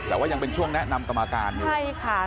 แต่ว่ายังเป็นช่วงแนะนำกรรมการอยู่ใช่ค่ะ